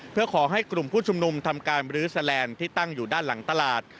เพื่อขอให้กลุ่มผู้ชุมนุมทำการบรื้อแสลนด์ที่ตั้งอยู่ด้านหลังตลาด